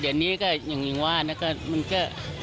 เดี๋ยวนี้ก็ยังงี้ว่านะมันก็